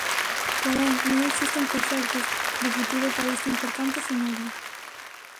Porén, non existen proxectos de futuro para este importante cenobio.